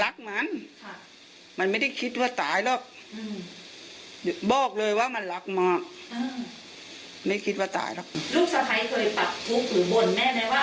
หรือบ่นแม่แม่ว่าอุ๊ยสามีเนี่ยหรือลูกของคุณแม่เนี่ยทำร้ายตลอดเคยไหม